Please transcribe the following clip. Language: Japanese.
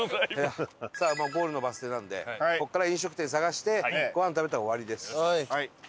さあゴールのバス停なのでここから飲食店探してご飯食べたら終わりです。